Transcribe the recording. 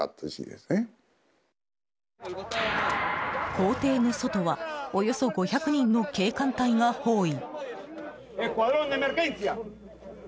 公邸の外はおよそ５００人の警官隊が包囲。